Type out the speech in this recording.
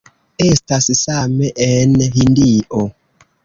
Estas same en Hindio.